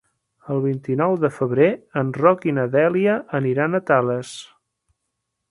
El vint-i-nou de febrer en Roc i na Dèlia aniran a Tales.